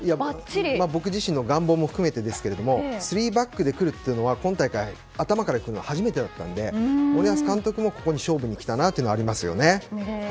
僕自身の願望も含めてですけど３バックでくるというのは今大会、頭からくるのは初めてだったので森保監督もここに勝負に来たなというのはありますね。